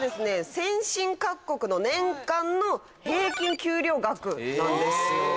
先進各国の年間の平均給料額なんですよ。